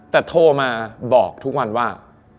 แต่โทรมาบอกทุกวันว่า